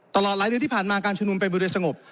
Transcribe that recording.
ตลอดหลายเดือนที่ผ่านมาการชุมนุมเป็นบริเวณสงบ